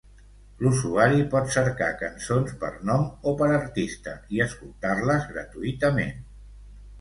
L'usuari pot cercar cançons per nom o per artista i escoltar-les gratuïtament.